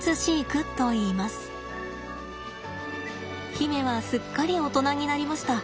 媛はすっかり大人になりました。